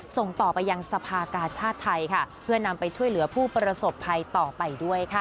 ส่งต่อไปยังสภากาชาติไทยค่ะเพื่อนำไปช่วยเหลือผู้ประสบภัยต่อไปด้วยค่ะ